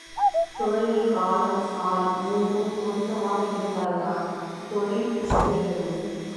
தொழில், காலம், ஆள் மூன்றும் பொருத்தமாக இருந்தால்தான் தொழில் செம்மை பெறும்.